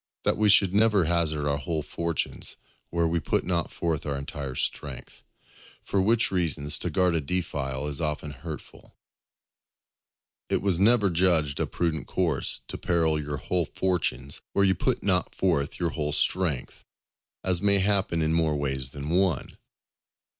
—_That we should never hazard our whole Fortunes where we put not forth our entire Strength; for which reason to guard a Defile is often hurtful_. It was never judged a prudent course to peril your whole fortunes where you put not forth your whole strength; as may happen in more ways than one.